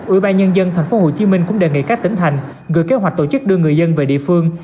ủy ban nhân dân tp hcm cũng đề nghị các tỉnh thành gửi kế hoạch tổ chức đưa người dân về địa phương